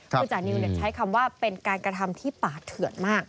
ขุมตัวจานิวยังใช้คำว่าเป็นการกระทำที่ปาเถื่อดมาก